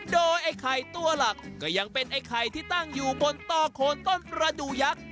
โดยไอ้ไข่ตัวหลักก็ยังเป็นไอ้ไข่ที่ตั้งอยู่บนต่อโคนต้นประดูกยักษ์